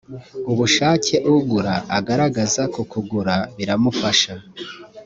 ubushake ugura agaragaza kukugura biramufasha